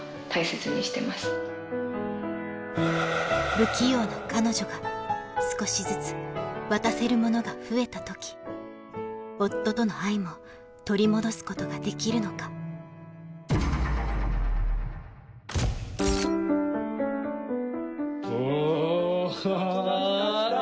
不器用な彼女が少しずつ渡せるものが増えた時夫との愛も取り戻すことができるのかおハハ。来た来た来た来た。